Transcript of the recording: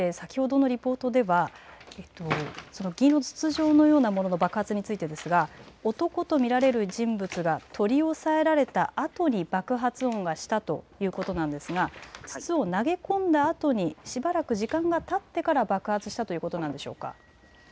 そして先ほどのリポートでは、銀色の筒状のようなものの爆発について、男と見られる人物が取り押さえられたあとに爆発音がしたということなんですが筒を投げ込んだあとにしばらく時間がたってから爆発したということなんでしょうか。